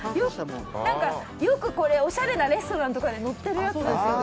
おしゃれなレストランとかでのってるやつですよね。